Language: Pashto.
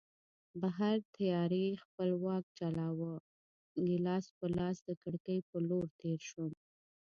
بهر تیارې خپل واک چلاوه، ګیلاس په لاس د کړکۍ په لور تېر شوم.